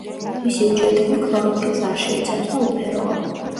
მისი უჯრედები ქლოროფილს არ შეიცავს და უფეროა.